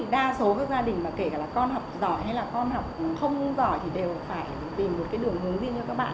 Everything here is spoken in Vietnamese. đa số các gia đình mà kể cả là con học giỏi hay là con học không giỏi thì đều phải tìm một cái đường hướng riêng cho các bạn